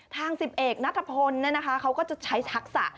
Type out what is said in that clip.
ทางสิบเอกนัทธพลเนี่ยนะคะเขาก็จะใช้ทักษะ